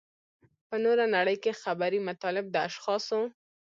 په نوره نړۍ کې خبري مطالب د اشخاصو.